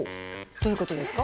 どういうことですか？